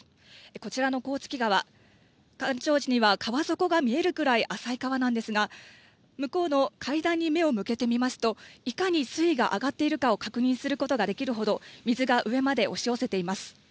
こちらの甲突川、干潮時には川底が見えるぐらい浅い川なんですが、向こうの階段に目を向けてみますと、いかに水位が上がっているかを確認することができるほど水が上まで押し寄せています。